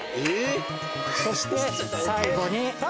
そして最後に